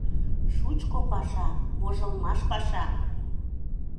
Шучко паша, вожылмаш паша!..